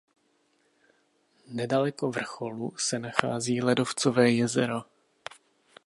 Nedaleko vrcholu se nachází ledovcové jezero.